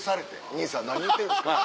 「兄さん何言うてるんですか」